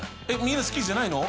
みんな好きじゃないの？